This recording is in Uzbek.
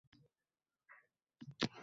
Bor sarkardani boshlab kelaver.